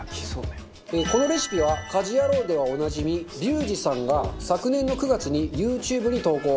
このレシピは『家事ヤロウ！！！』ではおなじみリュウジさんが昨年の９月にＹｏｕＴｕｂｅに投稿。